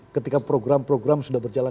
ketika program program sudah berjalan